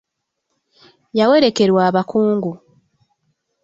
Yawerekerwa abakungu.